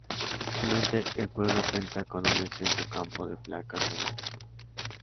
Actualmente, el pueblo cuenta con un extenso campo de placas solares.